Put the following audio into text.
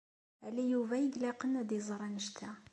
Ala Yuba i ilaqen ad iẓeṛ anect-a.